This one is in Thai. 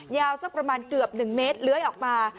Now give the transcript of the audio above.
สักประมาณเกือบ๑เมตรเลื้อยออกมา